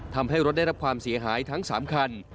ทำให้รถได้รับความเสียหายทั้ง๓คัน